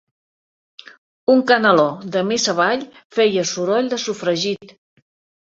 Un canaló de més avall feia soroll de sofregit.